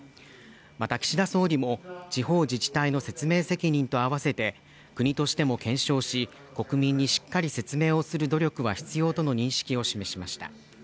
また岸田総理も地方自治体の説明責任と合わせて国としても検証し国民にしっかり説明をする努力は必要との認識を示しました